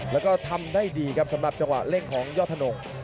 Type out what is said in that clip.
แล้วก็ทำได้ดีครับสำหรับจังหวะเร่งของยอดธนง